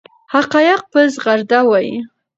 حقایق په زغرده وایي.